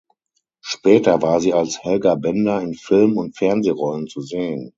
Später war sie als "Helga Bender" in Film- und Fernsehrollen zu sehen.